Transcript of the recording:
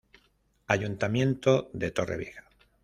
Ayuntamiento de Torrevieja.